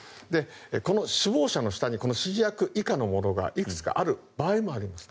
この首謀者の下に指示役以下のものがいくつかあることもあります。